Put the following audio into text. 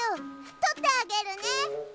とってあげるね。